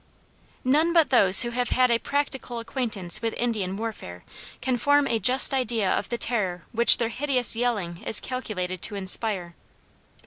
None but those who have had a practical acquaintance with Indian warfare, can form a just idea of the terror which their hideous yelling is calculated to inspire.